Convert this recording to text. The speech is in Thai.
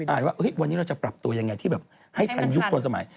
ว่าวันนี้เราจะปรับตัวยังไงที่แบบให้ทันยุคทันสมัย